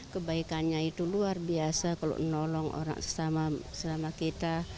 kebaikannya itu luar biasa kalau nolong orang selama kita